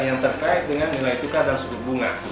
yang terkait dengan nilai tukar dan suku bunga